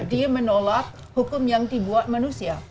dia menolak hukum yang dibuat manusia